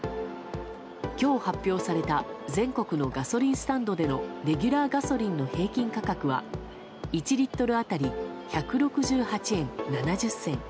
今日、発表された全国のガソリンスタンドでのレギュラーガソリンの平均価格は１リットル当たり１６８円７０銭。